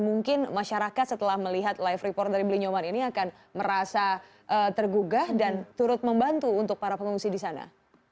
mungkin masyarakat setelah melihat live report dari beli nyoman ini akan merasa tergugah dan turut membantu untuk para pengungsi di sana